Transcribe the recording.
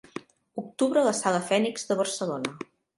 Octubre a la Sala Fènix de Barcelona.